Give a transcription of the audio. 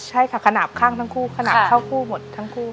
ใช่ค่ะขนาดข้างทั้งคู่ขนาดเข้าคู่หมดทั้งคู่